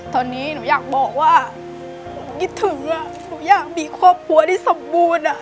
ตอนนี้หนูอยากบอกว่าคิดถึงหนูอยากมีครอบครัวที่สมบูรณ์